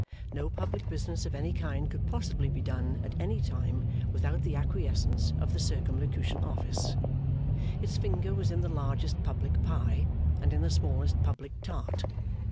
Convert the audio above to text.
No public business of any kind could possibly be done at any time without the acquiescence of the Circumlocution Office. Its finger was in the largest public pie, and in the smallest public tart.